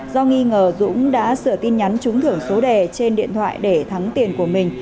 do nghi ngờ dũng đã sửa tin nhắn trúng thưởng số đề trên điện thoại để thắng tiền của mình